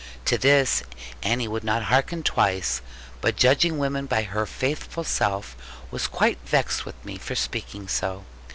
To this Annie would not hearken twice, but judging women by her faithful self, was quite vexed with me for speaking so.